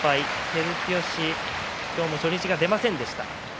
照強、今日も初日が出ませんでした。